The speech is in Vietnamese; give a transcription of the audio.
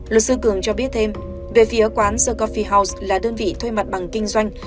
luật sư cường cho biết thêm về phía quán secufie house là đơn vị thuê mặt bằng kinh doanh